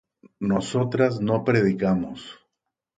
nosotras no predicamos